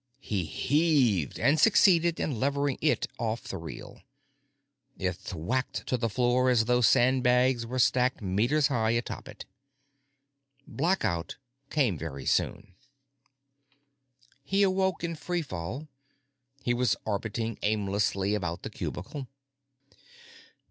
He heaved, and succeeded in levering it off the reel. It thwacked to the floor as though sandbags were stacked meters high atop it. Blackout came very soon. He awoke in free fall. He was orbiting aimlessly about the cubicle.